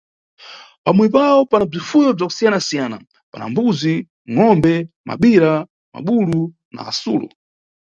Pamuyi pawo pana bzifuwo bzakusiyanasiya, pana mbuzi, ngʼombe, mabira, mabulu na asulo.